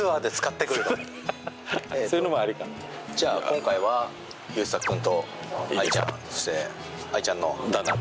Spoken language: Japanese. じゃあ今回は優作君と藍ちゃんそして藍ちゃんの旦那さん。